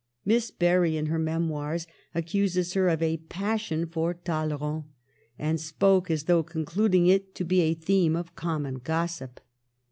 Miss Berry, in her memoirs, accuses her of a " passion " for Talleyrand, and spoke as though concluding it to be a theme, of common gossip.